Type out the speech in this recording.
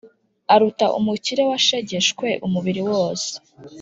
aruta umukire washegeshwe umubiri wose.